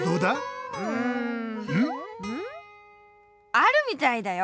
あるみたいだよ